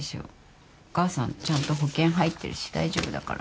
お母さんちゃんと保険入ってるし大丈夫だから。